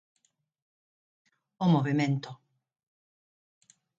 O movemento.